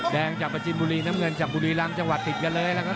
แดงจากประจินบุรีน้ำเงินจากบุรีรำจังหวัดติดกันเลยนะครับ